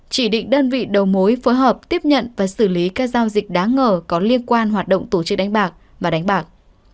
chỉ định đơn vị đầu mối phối hợp tiếp nhận và xử lý các giao dịch đáng ngờ có liên quan hoạt động tổ chức đánh bạc và đánh bạc